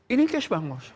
ini kes bang mos